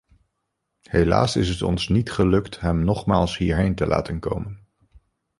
Helaas is het ons niet gelukt hem nogmaals hierheen te laten komen.